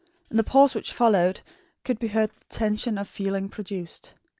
In the pause which followed, could be heard the tension of feeling produced.